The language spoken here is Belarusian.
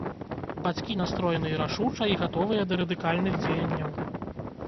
Бацькі настроеныя рашуча і гатовыя да радыкальных дзеянняў.